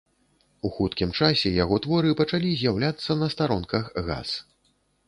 У хуткім часе яго творы пачалі з'яўляцца на старонках газ.